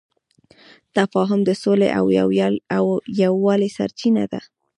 تفاهم د سولې او یووالي سرچینه ده.